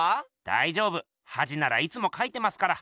だいじょうぶはじならいつもかいてますから。